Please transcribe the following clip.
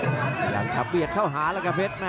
อื้อหือจังหวะขวางแล้วพยายามจะเล่นงานด้วยซอกแต่วงใน